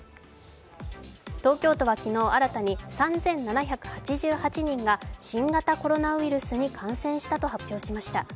東京都は昨日、新たに３７８８人が新型コロナウイルスに感染したと発表しました。